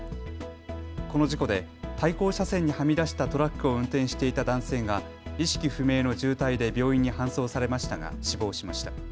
この事故で対向車線にはみ出したトラックを運転していた男性が意識不明の重体で病院に搬送されましたが死亡しました。